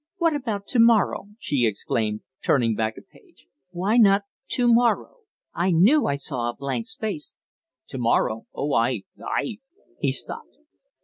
"What about to morrow?" she exclaimed, turning back a page. "Why not to morrow? I knew I saw a blank space." "To morrow! Oh, I I " He stopped.